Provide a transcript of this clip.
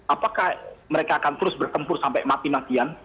apakah mereka akan terus bertempur sampai mati matian